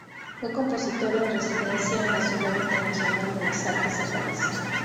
Fue compositora en residencia en la Ciudad Internacional de las Artes de Paris.